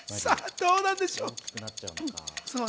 どうなんでしょう。